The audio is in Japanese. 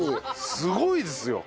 すごいですよ。